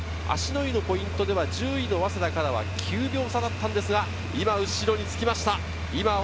芦之湯のポイントでは１０位・早稲田から９秒差だったんですが今後ろに着きました。